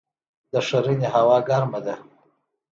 د ښرنې هوا ګرمه ده